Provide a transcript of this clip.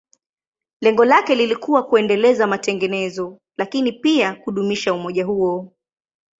Lengo lake lilikuwa kuendeleza matengenezo, lakini pia kudumisha umoja huo.